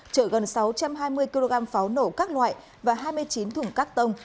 chở gần sáu trăm hai mươi kg pháo nổ các loại và hai mươi chín thủng các tông